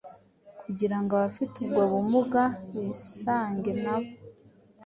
kugira ngo abafite ubwo bumuga bisange nabo